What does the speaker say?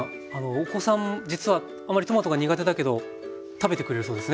お子さん実はあんまりトマトが苦手だけど食べてくれるそうですね